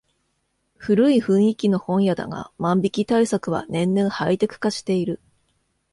古い雰囲気の本屋だが万引き対策は年々ハイテク化している